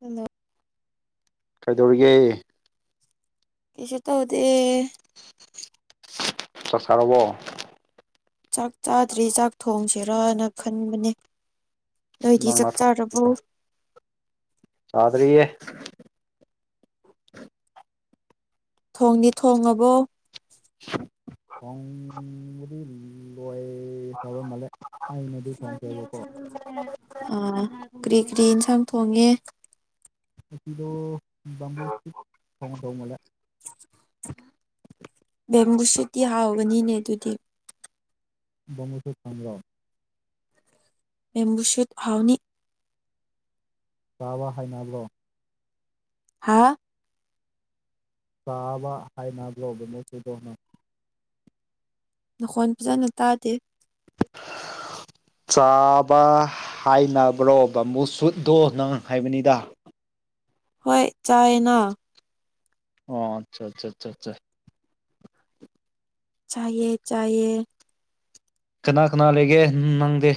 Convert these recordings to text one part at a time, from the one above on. hello ꯀꯩꯗꯧꯔꯤꯒꯦ ꯀꯁꯨ ꯇꯧꯗꯦ ꯆꯥꯥꯛ ꯆꯥꯔꯕꯣ ꯆꯥꯛ ꯆꯥꯗ꯭ꯔꯤ ꯆꯥꯛ ꯊꯣꯡꯁꯦꯔꯅ ꯈꯟꯕꯅꯤ ꯅꯡꯅ ꯊꯣꯡꯗꯣꯢꯔꯣ ꯆꯥꯗ꯭ꯔꯤꯌꯦ ꯊꯣꯡꯗꯤ ꯊꯣꯡꯉꯕꯣ ꯊꯣꯡꯗ꯭ꯔꯤ ꯂꯣꯏ ꯈ꯭ꯔꯕꯥ ꯃꯥꯜꯂꯦ ꯑꯩꯅꯗꯤ ꯊꯣꯡꯗꯦꯕꯀꯣ ꯑꯥ ꯀ꯭ꯔꯤ ꯀ꯭ꯔꯤ ꯑꯦꯟꯁꯥꯡ ꯊꯣꯡꯉꯦ ꯉꯁꯤꯗꯣ ꯕꯥꯝꯕꯨꯨ ꯁꯨꯠ ꯊꯣꯡꯒꯗꯧ ꯃꯥꯜꯂꯦ ꯕꯦꯝꯕꯨ ꯁꯨꯇꯤ ꯍꯥꯎꯒꯅꯤꯅꯦ ꯑꯗꯨꯗꯤ ꯕꯝꯕꯨ ꯁꯨꯠ ꯈꯡꯕ꯭ꯔꯣ ꯕꯦꯝꯕꯨ ꯁꯨꯠ ꯍꯥꯎꯅꯤ ꯆꯥꯕ ꯍꯥꯏꯅꯕ꯭ꯔꯣ ꯍꯥꯥ ꯆꯥꯕ ꯍꯩꯅꯕ꯭ꯔꯣ ꯕꯦꯝꯕꯨ ꯁꯨꯠꯇꯣ ꯅꯪ ꯅꯈꯣꯟ ꯐꯖꯅ ꯇꯥꯗꯦ ꯆꯥꯕ ꯍꯥꯏꯅꯕ꯭ꯔꯣ ꯕꯦꯝꯕꯨ ꯁꯨꯠꯇꯣ ꯅꯪ ꯍꯥꯏꯕꯅꯤꯗ ꯍꯣꯏ ꯆꯥꯏꯌꯦꯅ ꯑꯣ ꯑꯠꯆꯥ ꯑꯆꯥ ꯑꯆꯥ ꯑꯆꯥ ꯆꯥꯏꯌꯦ ꯆꯥꯏꯌꯦ ꯀꯅꯥ ꯀꯅꯥ ꯂꯩꯒꯦ ꯅꯪꯗꯦ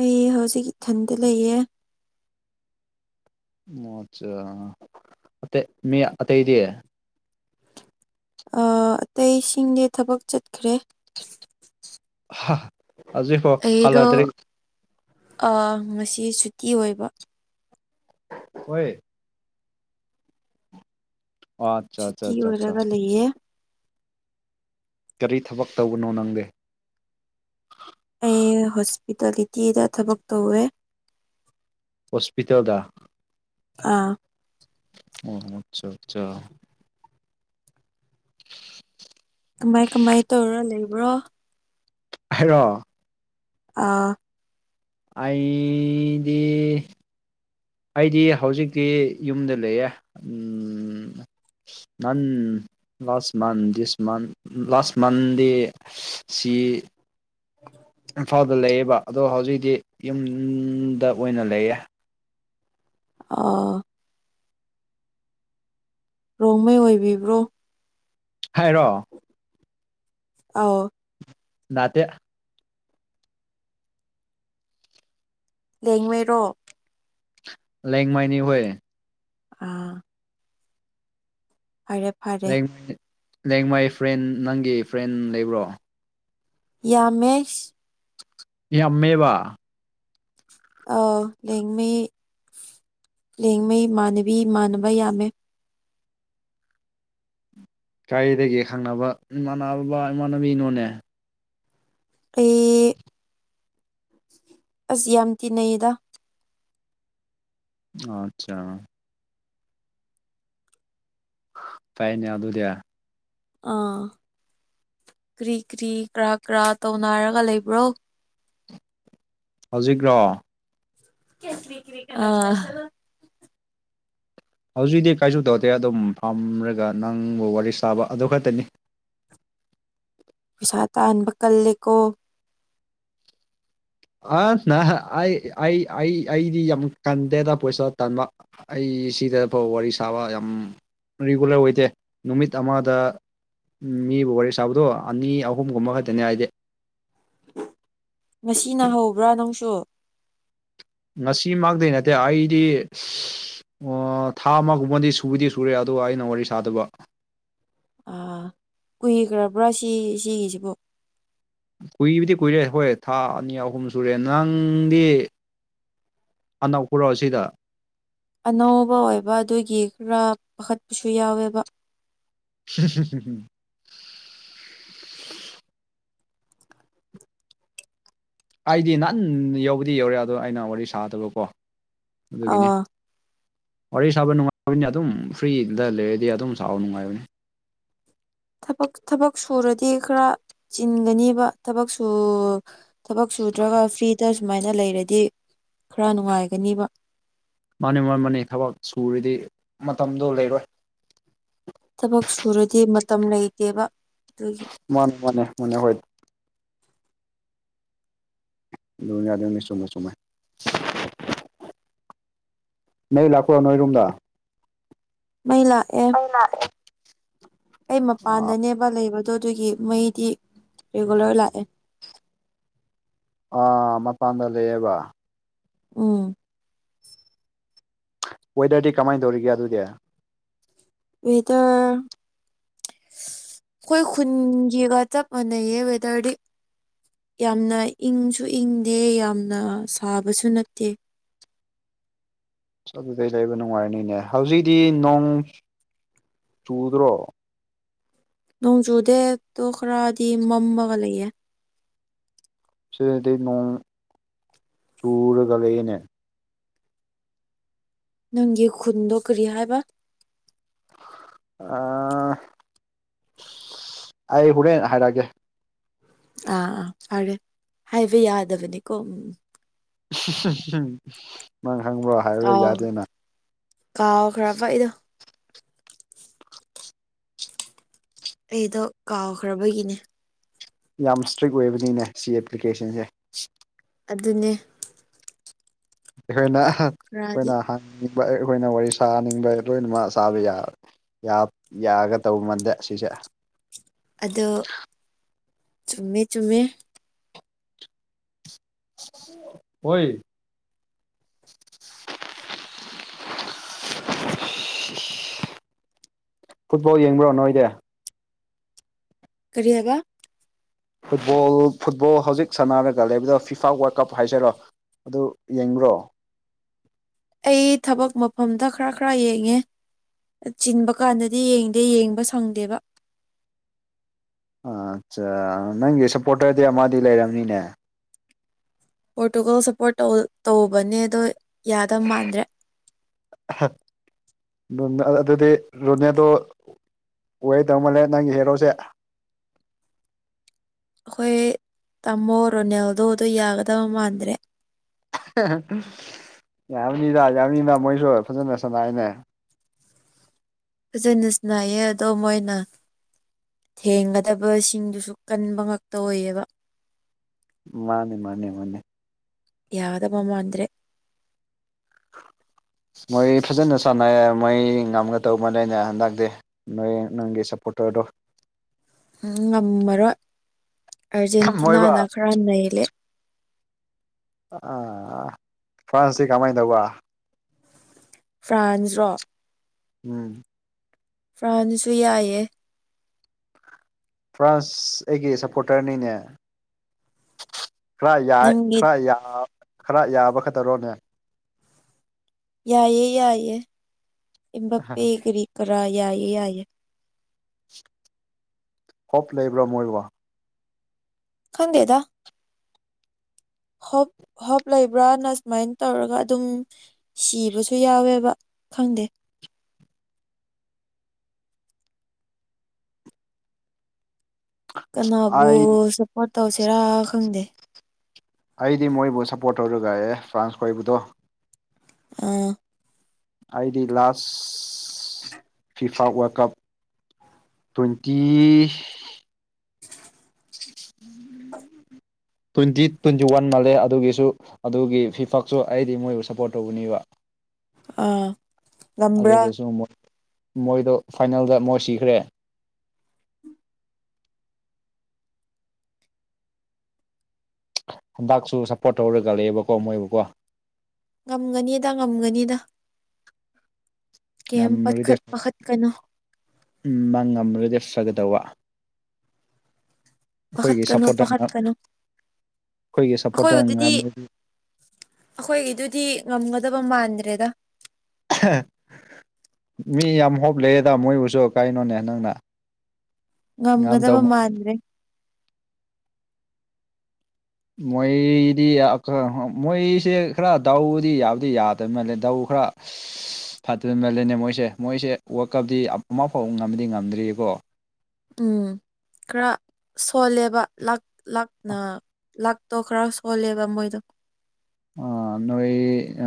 ꯑꯩ ꯍꯧꯖꯤꯛ ꯏꯊꯟꯗ ꯂꯩꯌꯦ ꯑꯣ ꯑꯠꯆꯥ ꯑꯇꯩ ꯃꯤ ꯑꯇꯩꯗꯤ ꯑꯇꯩꯁꯤꯡꯗꯤ ꯊꯕꯛ ꯆꯠꯈ꯭ꯔꯦ ꯍꯥ ꯑꯩꯗꯣ ꯑꯥ ꯉꯁꯤ ꯁꯨꯇꯤ ꯑꯣꯏꯕ ꯍꯣꯏ ꯑꯣ ꯑꯠꯆꯥ ꯑꯠꯆꯥ ꯁꯨꯇꯤ ꯑꯠꯆꯥ ꯑꯠꯆꯥ ꯑꯣꯏꯔꯒ ꯂꯩꯌꯦ ꯀꯔꯤ ꯊꯕꯛ ꯇꯧꯕꯅꯣ ꯅꯪꯗꯦ ꯑꯩ ꯍꯣꯁꯄꯤꯇꯥꯂꯤꯇꯤꯗ ꯊꯕꯛ ꯇꯧꯋꯦ ꯍꯣꯁꯄꯤꯇꯥꯦꯜꯗꯗꯥ ꯑꯥ ꯑꯣ ꯑꯆꯥ ꯑꯆꯥ [inaudible] ꯀꯃꯥꯏ ꯀꯃꯥꯏ ꯇꯧꯔ ꯂꯩꯕ꯭ꯔꯣ ꯍꯥꯏꯂꯣ ꯑꯥ ꯑꯩꯗꯤ ꯑꯩꯗꯤ ꯍꯧꯖꯤꯛꯇꯤ ꯌꯨꯝꯗ ꯂꯩꯌꯦ ꯅꯪ ꯂꯥꯁ ꯃꯟ ꯗꯤꯁ ꯃꯟ ꯂꯥꯁ ꯃꯟꯗꯦꯁꯤ ꯏꯝꯐꯥꯜꯗ ꯂꯩꯌꯦꯕ ꯑꯗꯣ ꯍꯧꯖꯤꯛꯇꯤ ꯌꯨꯝꯗ ꯑꯣꯏꯅ ꯂꯩꯌꯦ ꯑꯣ ꯔꯣꯡꯃꯩ ꯑꯣꯏꯕꯤꯕ꯭ꯔꯣ ꯍꯥꯏꯔꯣ ꯑꯥꯎ ꯅꯅꯥꯇꯦ ꯂꯦꯡꯃꯔꯣ ꯂꯦꯡ ꯃꯥꯏꯅꯤ ꯍꯌꯦ ꯑꯥ ꯐꯔꯦꯞ ꯂꯩꯡ ꯃꯥꯏ ꯐ꯭ꯔꯦꯟ ꯅꯪꯒꯤ ꯐ꯭ꯔꯦꯟ ꯂꯩꯕ꯭ꯔꯣ ꯌꯥꯃꯦꯁ ꯌꯥꯝꯃꯦꯕ ꯑ ꯂꯉꯩ ꯂꯦꯡꯉꯩ ꯏꯃꯥꯟꯅꯕꯤ ꯏꯃꯥꯟꯅꯕ ꯌꯥꯝꯃꯦ ꯒꯥꯔꯤꯗꯒꯤ ꯈꯪꯅꯕ ꯏꯃꯥꯟꯅꯕ ꯏꯃꯥꯟꯅꯕꯤꯅꯣꯅꯦ ꯑꯦ ꯑꯁ ꯌꯥꯝ ꯇꯤꯟꯅꯩꯌꯦꯗ ꯑꯆꯥ ꯐꯥꯏꯅꯦ ꯑꯗꯨ ꯑꯗꯨꯗꯌꯥ ꯑꯥ ꯀ꯭ꯔꯤ ꯀ꯭ꯔꯤ ꯀꯔ ꯀꯔꯥ ꯇꯧꯅꯔꯒ ꯂꯩꯕ꯭ꯔꯣ ꯍꯧꯖꯤꯛ꯭ꯔꯣ ꯑꯥ ꯍꯧꯖꯤꯛꯇꯤ ꯀꯥꯏꯁꯨ ꯇꯧꯗꯦ ꯑꯗꯨꯝ ꯐꯝꯔꯒ ꯅꯪꯕꯨ ꯋꯥꯔꯤ ꯁꯥꯕ ꯑꯗꯨ ꯈꯛꯇꯅꯤ ꯄꯩꯁꯥ ꯇꯥꯍꯟꯕ ꯀꯜꯂꯦꯀꯣ ꯑ ꯅ ꯑꯩ ꯑꯩ ꯑꯩ ꯑꯩꯗꯤ ꯌꯥꯝ ꯀꯟꯗꯦꯗ ꯄꯩꯁꯥ ꯇꯟꯥꯟꯕ ꯑꯩ ꯁꯤꯗ ꯐꯥꯎ ꯋꯥꯔꯤ ꯁꯥꯕ ꯌꯥꯝ ꯔꯤꯒꯨꯂꯔ ꯑꯣꯏꯗꯦ ꯅꯨꯃꯤꯠ ꯑꯃꯗ ꯃꯤꯕꯨ ꯋꯥꯔꯤ ꯁꯥꯕꯗꯣ ꯑꯅꯤ ꯑꯍꯨꯝꯒꯨꯝꯕ ꯈꯛꯇꯅꯦ ꯍꯥꯏꯗꯤ ꯉꯁꯤ ꯅ ꯍꯧꯕ꯭ꯔꯥ ꯅꯪꯁꯨ ꯉꯁꯤꯃꯇꯩꯩ ꯅꯠꯇꯦ ꯑꯩꯗꯤ ꯑꯣ ꯊꯥ ꯑꯃꯒꯨꯝꯕꯗꯤ ꯁꯨꯕꯗꯤ ꯁꯨꯔꯦ ꯑꯗꯨꯒ ꯑꯩꯅ ꯋꯥꯔꯤ ꯁꯥꯗꯕ ꯀꯨꯏꯈ꯭ꯔꯕ꯭ꯔꯥ ꯁꯤ ꯁꯤꯒꯤꯁꯤꯕꯨ ꯀꯨꯏꯕꯗꯤ ꯀꯨꯏꯔꯦ ꯍꯣꯏ ꯊꯥ ꯑꯅꯤ ꯑꯍꯨꯝ ꯁꯨꯔꯦ ꯅꯪꯗꯤ ꯑꯅꯧꯄꯔꯣ ꯑꯁꯤꯗ ꯑꯅꯧꯕ ꯑꯣꯏꯕ ꯑꯗꯨꯒꯤ ꯈꯔ ꯄꯥꯈꯠꯄꯁꯨ ꯌꯥꯎꯋꯦꯕ ꯍ ꯍꯨꯝ ꯍꯨꯝ ꯍꯨꯝ ꯑꯩꯗꯤ ꯅꯍꯥꯟ ꯌꯧꯕꯗꯤ ꯌꯧꯔꯦ ꯑꯗꯣ ꯑꯩꯅ ꯋꯥꯔꯤ ꯁꯥꯗꯕꯀꯣ ꯑꯗꯨꯒꯤꯅꯤ ꯑꯥ ꯋꯥꯔꯤ ꯁꯥꯕ ꯅꯨꯡꯉꯥꯏꯕꯅꯤ ꯑꯗꯨꯝ ꯐ꯭ꯔꯤꯗ ꯂꯩꯔꯗꯤ ꯑꯗꯨꯝ ꯁꯥꯕ ꯅꯨꯡꯉꯥꯏꯕꯅꯤ ꯊꯕꯛ ꯊꯕꯛ ꯁꯨꯔꯗꯤ ꯈꯔ ꯆꯤꯟꯒꯅꯦꯕ ꯊꯕꯛ ꯁ ꯊꯕꯛ ꯁꯨꯗ꯭ꯔꯒ ꯐ꯭ꯔꯤꯗ ꯁꯨꯃꯥꯏꯅ ꯂꯩꯔꯗꯤ ꯈꯔ ꯅꯨꯡꯉꯥꯏꯒꯅꯤꯕ ꯃꯥꯅꯤ ꯃꯥ ꯃꯥꯅꯤ ꯊꯕꯛ ꯁꯨꯔꯤꯗꯤ ꯃꯇꯝꯗꯨꯣ ꯂꯩꯔꯣꯏ ꯊꯕꯛ ꯁꯨꯔꯗꯤ ꯃꯇꯝ ꯂꯩꯇꯦꯕ ꯑꯗꯨꯒꯤ ꯃꯥꯅꯦ ꯃꯅꯦ ꯃꯅꯦ ꯍꯣꯏ ꯂꯨꯅꯤ ꯌꯥ ꯑꯗꯨꯅꯤ ꯆꯃꯦ ꯁꯨꯝꯃꯥꯏ ꯅ ꯂꯥꯛꯈꯔꯣ ꯅꯣꯏꯔꯨꯝꯗ ꯃꯩ ꯂꯥꯛꯑꯦ ꯑꯩ ꯃꯄꯥꯟꯗꯅꯦ ꯑ ꯂꯩꯕꯗꯣ ꯑꯗꯨꯒꯤ ꯃꯩꯗꯤ ꯔꯤꯒꯨꯂꯔ ꯂꯥꯛꯑꯦ ꯑ ꯃꯄꯥꯟꯗ ꯂꯩꯌꯦꯕ ꯎꯝ ꯋꯦꯗꯔꯗꯤ ꯀꯃꯥꯏꯅ ꯇꯧꯔꯤꯒꯦ ꯑꯗꯨꯗꯤ ꯑꯩꯗ ꯑꯩꯈꯣꯏ ꯈꯨꯟꯒꯤꯒ ꯆꯞ ꯃꯥꯟꯅꯩꯌꯦ ꯋꯦꯗꯔꯗꯤ ꯌꯥꯝꯅ ꯏꯪꯁꯨ ꯏꯪꯗꯦ ꯌꯥꯝꯅ ꯁꯥꯕꯁꯨ ꯅꯠꯇꯦ ꯑꯁ ꯑꯗꯨꯗꯩ ꯂꯩꯕ ꯅꯨꯡꯉꯥꯏꯔꯅꯤꯅꯦ ꯍꯧꯖꯤꯛꯇꯤ ꯅꯣꯡ ꯆꯨꯗ꯭ꯔꯣ ꯅꯣꯡꯖꯨꯗꯦ ꯑꯗꯨꯣ ꯈꯔꯗꯤ ꯃꯝꯃꯒ ꯂꯩꯌꯦꯦ ꯁꯤꯗꯗꯤ ꯅꯣꯡ ꯆꯨꯔꯒ ꯂꯩꯌꯦꯅꯦ ꯅꯪꯒꯤ ꯈꯨꯟꯗꯣ ꯀꯔꯤ ꯍꯥꯏꯕ ꯑ ꯑꯩ ꯍꯣꯔꯦꯟ ꯍꯥꯏꯔꯛꯑꯒꯦ ꯑꯥ ꯑꯥ ꯐꯔꯦ ꯍꯥꯏꯕ ꯌꯥꯗꯕꯅꯤꯀꯣ ꯎꯝ ꯅꯪ ꯈꯪꯕ꯭ꯔꯣ ꯍꯥꯏꯔꯥ ꯌꯥꯗꯦꯅ ꯀꯥꯎ ꯈ꯭ꯔ ꯐ ꯑꯩꯗꯣ ꯑꯩꯗꯣ ꯀꯥꯎꯈ꯭ꯔꯕꯒꯤꯅꯦ ꯌꯥꯝ ꯏꯁꯇ꯭ꯔꯤꯛ ꯑꯣꯏꯕꯅꯤꯅꯦ ꯁꯤ ꯑꯦꯄ꯭ꯂꯤꯀꯦꯁꯟꯁꯦ ꯑꯗꯨꯅꯦ ꯑꯩꯈꯣꯏꯅ ꯈꯔꯗꯤ ꯑꯩꯈꯣꯏꯅ ꯍꯪꯅꯤꯡꯕ ꯑꯩꯈꯣꯏꯅ ꯋꯥꯔꯤ ꯁꯥꯅꯤꯡꯕ ꯂꯣꯏꯅꯃꯛ ꯆꯥꯕ ꯌꯥꯕ ꯌꯥꯒ ꯇꯧꯕ ꯃꯜꯗꯦ ꯁꯤꯁꯦ ꯑꯗꯣ ꯆꯨꯝꯃꯦ ꯆꯨꯝꯃꯦ ꯑꯣꯏ ꯐꯨꯠꯕꯣꯜ ꯌꯦꯡꯕ꯭ꯔꯣ ꯅꯣꯏꯗꯤ ꯀꯔꯤ ꯍꯥꯏꯕ ꯐꯨꯠꯕꯣꯜ ꯐꯨꯠꯕꯣꯜ ꯍꯧꯖꯤꯛ ꯁꯅꯥꯔꯒ ꯂꯩꯕꯗ ꯐꯤꯐꯥ ꯋꯥꯔꯜ ꯀꯞ ꯍꯥꯏꯖꯔꯣ ꯑꯗꯨ ꯌꯦꯡꯕ꯭ꯔꯣ ꯑꯩ ꯊꯕꯛ ꯃꯐꯝꯗ ꯈꯔ ꯈꯔ ꯌꯦꯡꯉꯦ ꯆꯤꯟꯕ ꯀꯥꯟꯗꯗꯤ ꯌꯦꯡꯗꯦ ꯌꯦꯡꯕ ꯁꯪꯗꯦꯕ ꯑ ꯑꯠꯆꯥ ꯅꯪꯒꯤ ꯁꯞꯄꯣꯔꯇꯔꯗꯤ ꯑꯃꯗꯤ ꯂꯩꯔꯝꯅꯤꯅꯦ ꯄꯣꯔꯇꯨꯒꯜ ꯁꯞꯄꯣꯔꯠꯧ ꯇꯧꯕꯅꯦ ꯑꯗꯣ ꯌꯥꯗꯕ ꯃꯥꯟꯗ꯭ꯔꯦ ꯑꯍ ꯑꯗꯨꯗꯤ ꯔꯣꯅꯦꯗꯣ ꯑꯣꯏꯋꯦ ꯇꯧꯃꯜꯂꯦ ꯅꯪꯒꯤ ꯍꯦꯔꯣꯁꯦ ꯑꯩꯈꯣꯏ ꯇꯥꯃꯣ ꯔꯣꯅꯦꯜꯗꯣ ꯑꯗꯨꯣ ꯌꯥꯒꯗꯕ ꯃꯥꯟꯗ꯭ꯔꯦ ꯌꯥꯝꯅꯤꯗ ꯌꯥꯝꯅꯤꯗ ꯃꯣꯏꯁꯨ ꯐꯖꯅ ꯁꯅꯥꯏꯅꯦ ꯖꯅꯤꯁ ꯅꯌꯦ ꯑꯗꯣ ꯃꯣꯏꯅ ꯊꯦꯡꯒꯗꯕꯁꯤꯡꯗꯨꯁꯨ ꯀꯟꯕ ꯉꯇ ꯑꯣꯏꯌꯦꯕ ꯃꯥꯅꯦ ꯃꯥꯅꯦ ꯃꯥꯅꯦ ꯌꯥꯒꯗꯕ ꯃꯥꯟꯗ꯭ꯔꯦ ꯃꯣꯏ ꯐꯖꯅ ꯁꯥꯟꯅꯩ ꯃꯣꯏ ꯉꯝꯒꯗꯧꯕ ꯅꯦꯅꯦ ꯍꯟꯗꯛꯇꯤ ꯅꯣꯏ ꯅꯪꯒꯤ ꯁꯞꯄꯣꯔꯇꯔꯗꯣ ꯎ ꯉꯝꯃꯔꯣꯏ ꯉꯝꯃꯣꯏꯕ ꯑꯔꯖꯦꯟꯇꯤꯅꯥꯅ ꯈꯔ ꯅꯩꯂꯦ ꯑꯥ ꯐꯥꯁꯤ ꯀꯃꯥꯏ ꯇꯧꯕ ꯐ꯭ꯔꯥꯟꯁꯔꯣ ꯎꯝ ꯐ꯭ꯔꯥꯟꯁꯨ ꯌꯥꯏꯑꯌꯦ ꯐ꯭ꯔꯥꯟꯁ ꯑꯩꯒꯤ ꯁꯄꯣꯔꯇꯔꯅꯤꯅꯦ ꯈꯔ ꯌꯥꯏ ꯅꯪꯒꯤ ꯈꯔ ꯈꯔ ꯌꯥꯕ ꯀꯇꯔꯣꯅꯦ ꯌꯥꯏꯌꯦ ꯌꯥꯏꯌꯦ ꯏꯕ ꯃꯕꯥꯄꯦ ꯒꯔꯤ ꯀ꯭ꯔꯥ ꯌꯥꯏꯌꯦ ꯌꯥꯏꯌꯦ ꯑꯣꯞ ꯂꯩꯕ꯭ꯔꯣ ꯃꯣꯏꯕꯣ ꯈꯪꯗꯦꯗ ꯍꯣꯞ ꯍꯣꯞ ꯂꯩꯕ꯭ꯔꯅ ꯁꯨꯃꯥꯏꯅ ꯇꯧꯔꯒ ꯑꯗꯨꯝ ꯁꯤꯕꯁꯨ ꯌꯥꯎꯋꯦꯕ ꯈꯪꯗꯦ ꯀꯅꯥꯕꯨ ꯑꯩ ꯁꯞꯄꯣꯔꯠ ꯇꯧꯁꯤꯔꯥ ꯈꯪꯗꯦ ꯑꯩꯗꯤ ꯃꯣꯏꯕꯨ ꯁꯞꯄꯣꯔꯠ ꯇꯧꯔꯒ ꯑꯦ ꯐ꯭ꯔꯥꯟꯁ ꯈꯣꯏꯕꯗꯣ ꯑꯥ ꯑꯩꯗꯤ ꯂꯥꯁ FIFA world cup twenty twenty twenty one ꯃꯥꯜꯂꯦ ꯑꯗꯨꯒꯤꯁꯨ ꯑꯗꯨꯒꯤ ꯐꯤꯐꯛꯁꯨ ꯑꯩꯗꯤ ꯃꯣꯏꯕꯨ ꯁꯞꯄꯣꯔꯠ ꯇꯧꯕꯅꯦꯕ ꯑꯥ ꯉꯝꯕ꯭ꯔꯥ ꯑꯗꯨꯗꯁꯨ ꯃꯣꯏꯗꯣ ꯐꯥꯏꯅꯦꯜꯗ ꯃꯣꯏ ꯁꯤꯈ꯭ꯔꯦ ꯍꯟꯗꯛꯁꯨ ꯁꯄꯣꯔꯠ ꯇꯧꯔꯒ ꯂꯩꯌꯦꯕꯀꯣ ꯃꯣꯏꯕꯨꯀꯣ ꯉꯝꯒꯅꯤꯗ ꯉꯝꯒꯅꯤꯗ ꯀꯩꯝ ꯄꯠꯈꯠ ꯄꯥꯈꯠꯀꯅꯣ ꯎꯝ ꯃꯥ ꯉꯝꯂꯒꯗꯤ ꯐꯒꯗꯧꯕ ꯑꯩꯈꯣꯏꯒꯤ ꯄꯥꯈꯠꯀꯅꯨ ꯁꯞꯄꯣꯔꯠꯇꯔꯅ ꯄꯥꯈꯠꯀꯅꯨ ꯑꯩꯈꯣꯏꯒꯤ ꯁꯞꯄꯣꯔꯠꯇꯔꯅ ꯑꯩꯈꯣꯏꯗꯨꯗꯤ ꯉꯝ ꯑꯩꯈꯣꯏꯒꯤꯗꯨꯗꯤ ꯉꯝꯒꯗꯕ ꯃꯥꯟꯗ꯭ꯔꯦꯗ ꯃꯤ ꯌꯥꯝ ꯍꯣꯞ ꯂꯩꯌꯦꯗ ꯃꯣꯏꯕꯨꯁꯨ ꯀꯔꯤꯅꯣꯅꯦ ꯅꯪꯅ ꯉꯝꯗꯧ ꯉꯝꯒꯗꯕ ꯃꯥꯟꯗ꯭ꯔꯦ ꯃꯣꯏꯗꯤ ꯑꯈꯔ ꯃꯣꯏꯁꯦ ꯈꯔ ꯗꯥꯎꯕꯨꯗꯤ ꯌꯥꯕꯨꯗꯤ ꯌꯥꯗꯕ ꯃꯥꯜꯂꯦ ꯗꯥꯎ ꯈꯔ ꯐꯇꯦ ꯃꯜꯂꯦꯅꯦ ꯃꯣꯏꯁꯦ ꯃꯣꯏꯁꯦ ꯋꯥꯔꯗ ꯀꯞꯇꯤ ꯑꯃ ꯐꯥꯎꯕ ꯉꯝꯗꯤ ꯉꯝꯗ꯭ꯔꯤꯀꯣ ꯎꯝ ꯈꯔ ꯁꯣꯜꯂꯦꯕ ꯂꯥꯛ ꯂꯥꯛꯅ ꯂꯛꯇꯣ ꯈꯔ ꯁꯣꯜꯂꯦꯕ ꯃꯣꯏꯗꯣ ꯑ ꯅꯣꯏ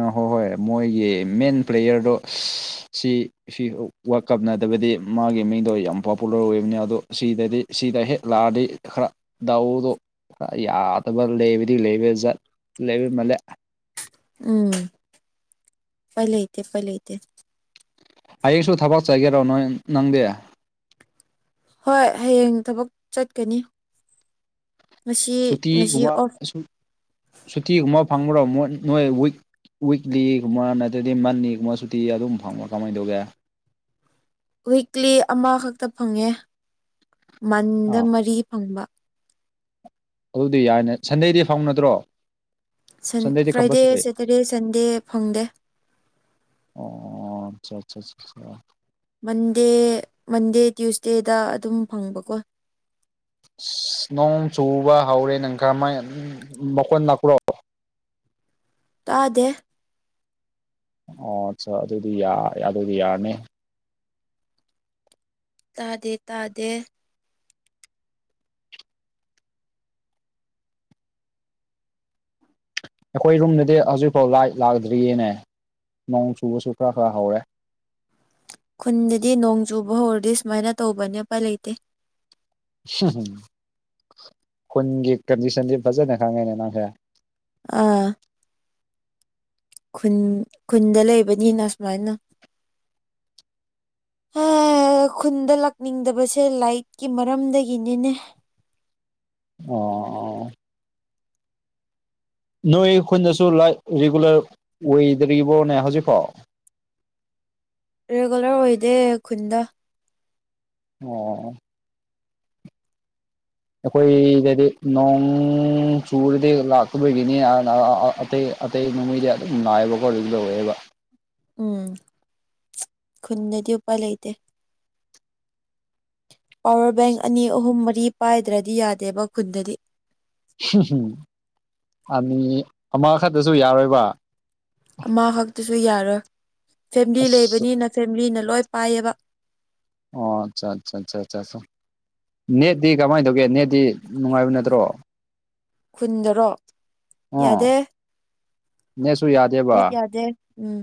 ꯑ ꯍꯣꯏ ꯍꯣꯏ ꯃꯣꯏꯒꯤ ꯃꯦꯟ ꯄ꯭ꯂꯦꯌꯔꯗꯣ ꯁꯤ ꯁꯤ ꯋꯔꯗ ꯀꯞ ꯅꯗꯕꯗꯤ ꯃꯥꯒꯤ ꯃꯤꯡꯗꯣ ꯌꯥꯝ ꯄꯣꯄꯨꯂꯔ ꯑꯣꯏꯕꯅꯤ ꯑꯗꯣ ꯁꯤꯗꯗꯤ ꯁꯤꯗ ꯍꯦꯛ ꯂꯥꯛꯑꯗꯤ ꯈꯔ ꯗꯥꯎꯗꯣ ꯌꯥꯗꯕ ꯂꯩꯕꯗꯤ ꯂꯩꯕꯖꯠ ꯂꯩꯕ ꯃꯜꯂꯦ ꯎꯝ ꯎꯄꯥꯏ ꯂꯩꯇꯦ ꯎꯄꯥꯏ ꯂꯩꯇꯦ ꯍꯌꯦꯡꯁꯨ ꯊꯕꯛ ꯆꯒꯦꯔꯣ ꯅꯣꯏ ꯅꯪꯗꯤ ꯍꯣꯏ ꯍꯌꯦꯡ ꯊꯕꯛ ꯆꯠꯀꯅꯤ ꯉꯁꯤ ꯉꯁꯤ ꯑꯣꯞ ꯁꯨꯇꯤ ꯒꯨꯝꯕ ꯐꯪꯕ꯭ꯔꯣ ꯃꯣꯏ ꯅꯣꯏ ꯋꯤꯛ ꯋꯤꯛꯂꯤ ꯒꯨꯝꯕ ꯅꯠꯇ꯭ꯔꯗꯤ ꯃꯟꯂꯤ ꯒꯨꯝꯕ ꯁꯨꯇꯤ ꯑꯗꯨꯝ ꯐꯪꯕꯔ ꯀꯃꯥꯏ ꯇꯧꯒꯦ ꯋꯤꯛꯂꯤ ꯑꯃꯈꯛꯇ ꯐꯪꯉꯦ ꯃꯟꯗ ꯑꯥ ꯃꯔꯤ ꯐꯪꯕ ꯑꯗꯨꯗꯤ ꯌꯥꯏꯅꯦ ꯁꯟꯗꯦꯗꯤ ꯐꯪ ꯅꯠꯇ꯭ꯔꯣ ꯁꯟ ꯁꯟꯗꯦꯗꯤ ꯐ꯭ꯔꯥꯏꯗꯦ ꯀꯝꯄꯜꯁꯔꯤ ꯁꯇ꯭ꯔꯗꯦ ꯁꯟꯗꯦ ꯐꯪꯗꯦ ꯑꯣ ꯆ ꯆ ꯆ ꯆ ꯃꯟꯗꯦ ꯃꯟꯗꯦ ꯇ꯭ꯌꯨꯁꯗꯦꯗ ꯑꯗꯨꯝ ꯐꯪꯕꯀꯣ ꯑꯁ ꯅꯣꯡ ꯆꯨꯕ ꯍꯧꯔꯦ ꯅꯪ ꯀꯔꯝꯃꯥꯏꯅ ꯃꯈꯣꯟ ꯂꯛꯄ꯭ꯔꯣ ꯇꯥꯗꯦ ꯑꯣ ꯑꯠꯆꯥ ꯑꯗꯨꯗꯤ ꯌꯥꯔꯦ ꯑꯗꯨꯗꯤ ꯌꯥꯔꯅꯤ ꯇꯥꯗꯦ ꯇꯥꯗꯦ ꯑꯩꯈꯣꯏ ꯔꯨꯝꯗꯗꯤ ꯍꯧꯖꯤꯛꯐꯥꯎ ꯂꯥꯏꯠ ꯂꯥꯛꯗ꯭ꯔꯤꯌꯦꯅꯦ ꯅꯣꯡ ꯆꯨꯕꯁꯨ ꯈꯔ ꯈꯔ ꯍꯧꯔꯦ ꯈꯨꯟꯗꯗꯤ ꯅꯣꯡ ꯆꯨꯕ ꯍꯧꯔꯗꯤ ꯁꯨꯃꯥꯏꯅ ꯇꯧꯕꯅꯦ ꯎꯄꯥꯏ ꯂꯩꯇꯦ ꯎꯝ ꯈꯨꯟꯒꯤ ꯀꯟꯗꯤꯁꯟꯗꯤ ꯐꯖꯅ ꯈꯪꯉꯦꯅꯦ ꯅꯪꯁꯦ ꯑꯥ [unintelligible] ꯈꯨꯟ ꯈꯨꯟꯗ ꯂꯩꯕꯅꯤꯅ ꯁꯨꯃꯥꯏꯅ [unintelligible] ꯑꯦ ꯈꯨꯟꯗ ꯂꯥꯛꯅꯤꯡꯗꯕꯁꯦ ꯂꯥꯏꯠꯀꯤ ꯃꯔꯝꯗꯒꯤꯅꯤꯅꯦ ꯑꯣ ꯅꯣꯏ ꯈꯨꯟꯗꯁꯨ ꯂꯏꯠ ꯔꯤꯒꯨꯂꯔ ꯑꯣꯏꯗ꯭ꯔꯤꯕꯣꯅꯦ ꯍꯧꯖꯤꯛꯐꯥꯎ ꯔꯤꯒꯨꯂꯔ ꯑꯣꯏꯗꯦ ꯈꯨꯟꯗ ꯑꯣ ꯑꯩꯈꯣꯏꯗꯗꯤ ꯅꯣꯡ ꯆꯨꯔꯗꯤ ꯂꯥꯛꯇꯕꯒꯤꯅꯤ ꯑꯅ ꯑ ꯑꯇꯩ ꯑꯇꯩ ꯅꯣꯡꯃꯩꯗꯤ ꯑꯗꯨꯝ ꯉꯥꯏꯕꯀꯣ ꯑꯗꯨ ꯇꯧꯋꯦꯕ ꯎꯝ ꯈꯨꯟꯗꯗꯤ ꯎꯄꯥꯏ ꯂꯩꯇꯦ ꯄꯋꯥꯔ ꯕꯦꯡ ꯑꯅꯤ ꯑꯍꯨꯝ ꯃꯔꯤ ꯄꯥꯏꯗ꯭ꯔꯗꯤ ꯌꯥꯗꯦꯕ ꯈꯨꯟꯗꯗꯤ ꯎꯝ ꯑꯅꯤ ꯑꯃ ꯈꯛꯇꯁꯨ ꯌꯥꯔꯣꯏꯕ ꯑꯃ ꯈꯛꯇꯁꯨ ꯌꯥꯔꯣꯏ ꯐꯦꯃꯤꯂꯤ ꯑꯁ ꯂꯩꯕꯅꯤꯅ ꯐꯦꯃꯤꯂꯤꯅ ꯂꯣꯏ ꯄꯥꯏꯌꯦꯕ ꯑꯣ ꯆ ꯆ ꯆ ꯆ ꯅꯦꯠꯇꯤ ꯀꯃꯥꯏ ꯇꯧꯒꯦ ꯅꯦꯠꯇꯤ ꯅꯨꯡꯉꯥꯏꯕ ꯅꯠꯇ꯭ꯔꯣ ꯈꯨꯟꯗꯔꯣ ꯑꯣ ꯌꯥꯗꯦ ꯅꯦꯠꯁꯨ ꯌꯥꯗꯦ ꯅꯦꯠ ꯌꯥꯗꯦ ꯎꯝ